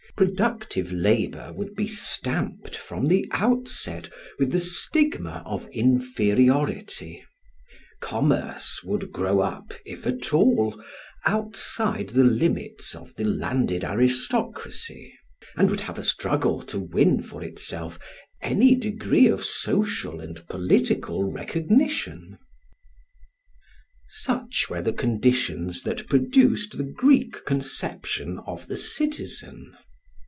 Productive labour would be stamped, from the outset, with the stigma of inferiority; commerce would grow up, if at all, outside the limits of the landed aristocracy, and would have a struggle to win for itself any degree of social and political recognition. Such were the conditions that produced the Greek conception of the citizen.